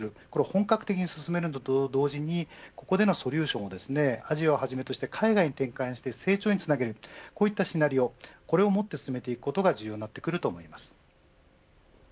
本格的に進めるのと同時にここでのソリューションをアジアをはじめとして海外に展開して成長につなげるこういったシナリオを進めていくことが重要になってくると思います。